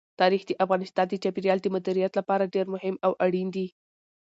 تاریخ د افغانستان د چاپیریال د مدیریت لپاره ډېر مهم او اړین دي.